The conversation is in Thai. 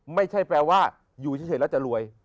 ไม่ใช่แปลว่าอยู่เฉยแล้วจะรวย